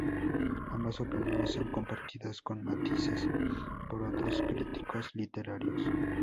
Ambas opiniones son compartidas con matices por otros críticos literarios.